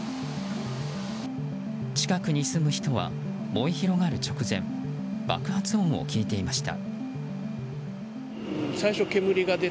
近くに住む人は、燃え広がる直前爆発音を聞いていました。